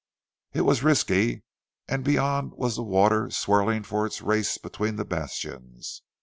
It was risky, and beyond was the water swirling for its race between the bastions.